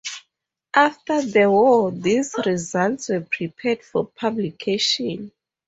After the war these results were prepared for publication.